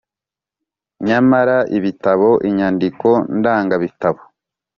Nyamara ibitabo inyandiko ndangabitabo